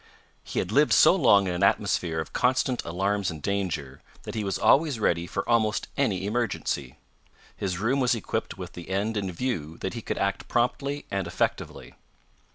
He had lived so long in an atmosphere of constant alarms and danger, that he was always ready for almost any emergency. His room was equipped with the end in view that he could act promptly and effectively.